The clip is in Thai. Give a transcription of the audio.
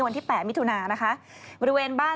วันที่๘มิถุนา